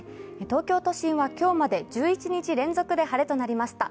東京都心は今日まで１１日連続で晴れとなりました。